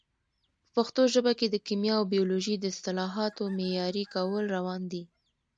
په پښتو ژبه کې د کیمیا او بیولوژي د اصطلاحاتو معیاري کول روان دي.